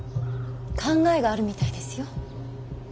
考えがあるみたいですよ。